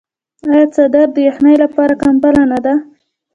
آیا څادر د یخنۍ لپاره کمپله نه ده؟